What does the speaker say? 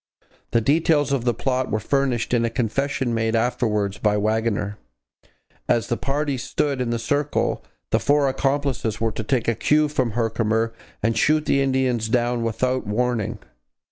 The details of the plot were furnished in a confession made afterwards by Waggoner. As the parties stood in the circle, the four accomplices were to take a cue from Herkimer and shoot the Indians down without warning.